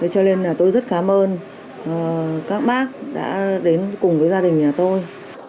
cho nên là tôi rất cảm ơn các bác đã đến cùng với gia đình nhà tôi